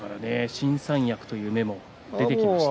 新三役という芽も出てきました。